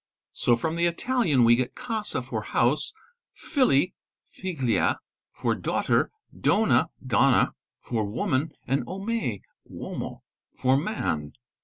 Te from the Italian we get casa for house, filly (figlia) for daughter, lonah (donna) for woman, and omee (womo) for man.